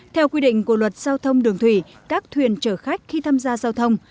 theo quy định của luật giao thông đường thủy các thuyền chở khách khi tham gia giao thông